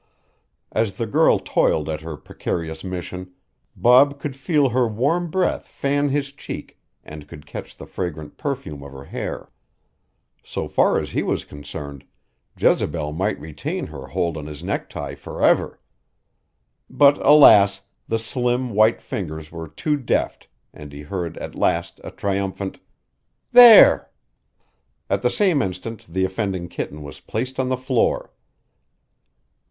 As the girl toiled at her precarious mission, Bob could feel her warm breath fan his cheek and could catch the fragrant perfume of her hair. So far as he was concerned, Jezebel might retain her hold on his necktie forever. But, alas, the slim, white fingers were too deft and he heard at last a triumphant: "There!" At the same instant the offending kitten was placed on the floor.